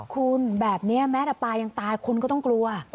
คุณแบบนี้แม้แต่ปลายังตายคุณก็ต้องกลัว